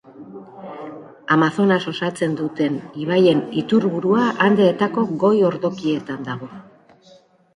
Amazonas osatzen duten ibaien iturburua Andeetako goi-ordokietan dago.